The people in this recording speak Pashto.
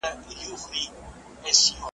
خو ځول یې په قفس کي وزرونه `